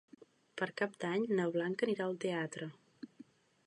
Per Cap d'Any na Blanca anirà al teatre.